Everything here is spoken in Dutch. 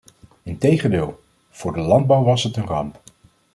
Integendeel; voor de landbouw was het een ramp!